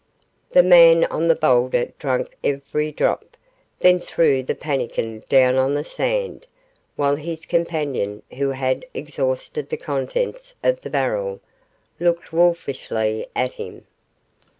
The man on the boulder drank every drop, then threw the pannikin down on the sand, while his companion, who had exhausted the contents of the barrel, looked wolfishly at him.